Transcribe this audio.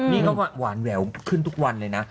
นี่ก็หวานแหววขึ้นทุกวันเลยนะ